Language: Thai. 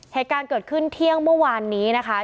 เหตุการณ์เกิดขึ้นเที่ยงเมื่อวานนี้นะคะ